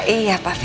iya pak ferry